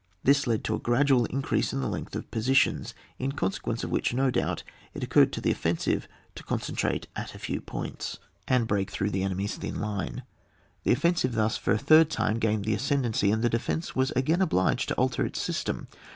This led to a gpradual increase in the length of positions, in consequence of which, no doubt, it occurred to the offensive to concentrate at a few points. ^^*' 72 OH WAR. [book yi. and break through the enemy's thin line. The offensive thus, for a third time, •grained the ascendancy, and the defence was again obliged to alter its system.